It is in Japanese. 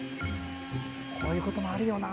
こういうこともあるよな。